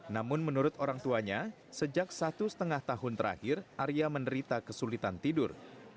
namun menurut orang tuanya sejak satu setengah tahun terakhir arya menderita kesulitan tidur